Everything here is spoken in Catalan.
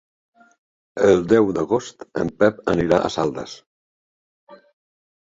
El deu d'agost en Pep anirà a Saldes.